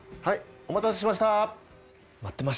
はい。